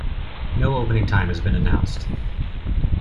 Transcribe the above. No opening time has been announced.